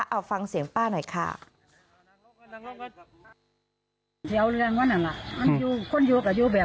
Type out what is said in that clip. เอาฟังเสียงป้าหน่อยค่ะ